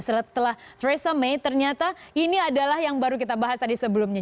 setelah resa may ternyata ini adalah yang baru kita bahas tadi sebelumnya